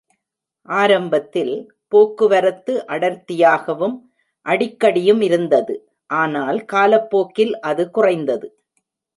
ஆரம்பத்தில், போக்குவரத்து அடர்த்தியாகவும் அடிக்கடியும் இருந்தது, ஆனால் காலப்போக்கில் அது குறைந்தது.